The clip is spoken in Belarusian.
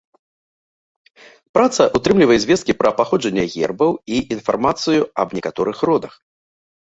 Праца ўтрымлівае звесткі пра паходжанне гербаў і інфармацыя аб некаторых родах.